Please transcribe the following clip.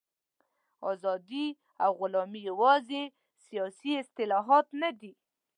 ازادي او غلامي یوازې سیاسي اصطلاحات نه دي.